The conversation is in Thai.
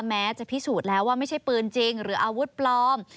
แม้จะพิสูจน์แล้วว่าไม่ใช่ปืนจริงหรืออาวุธปลอม